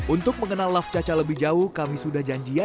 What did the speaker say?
untuk mengenal laf caca lebih jauh kami sudah janji ya